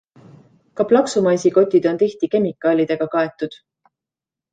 Ka plaksumaisi kotid on tihti kemikaalidega kaetud.